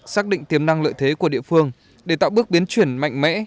xác định tiềm năng lợi thế của địa phương để tạo bước biến chuyển mạnh mẽ